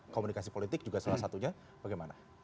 komunikasi politik juga salah satunya bagaimana